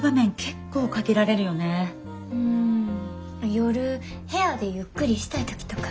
夜部屋でゆっくりしたい時とか。